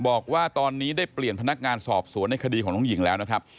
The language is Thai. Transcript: บอกว่าตอนนี้ได้เปลี่ยนพนักงานสอบสวนในคดีของน้องหญิงแล้วนะครับ